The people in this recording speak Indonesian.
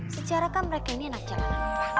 secara kan mereka ini anak jalanan